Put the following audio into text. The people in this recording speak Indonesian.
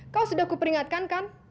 kau sudah kuperingatkan kan